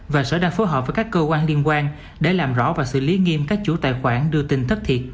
và sở đang phối hợp với các cơ quan liên quan để làm rõ và xử lý nghiêm các chủ tài khoản đưa tin thất thiệt